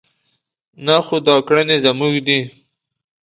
نه خو دا کړنې زموږ دي.